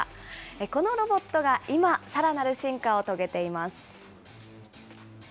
このロボットが今、さらなる進化を遂げています。